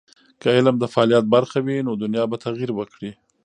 که علم د فعالیت برخه وي، نو دنیا به تغیر وکړي.